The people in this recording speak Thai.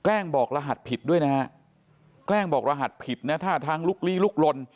บอกรหัสผิดด้วยนะฮะแกล้งบอกรหัสผิดนะท่าทางลุกลี้ลุกลน